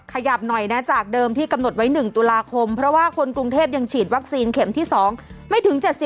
ขยับหน่อยนะจากเดิมที่กำหนดไว้๑ตุลาคมเพราะว่าคนกรุงเทพยังฉีดวัคซีนเข็มที่๒ไม่ถึง๗๐